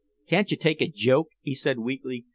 "Can't you take a joke?" he said weakly.